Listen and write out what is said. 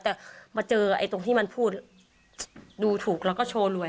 แต่มาเจอตรงที่มันพูดดูถูกแล้วก็โชว์รวย